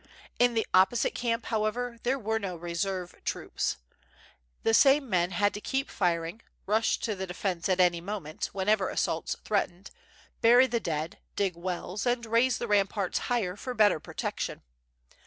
In the opposite camp, how ever, there were no reserve troops. The same men had to keep firing, rush to the defense at any moment whenever assaults threatened, bury the dead, dig wells, and raise the ramparts higher for better protection.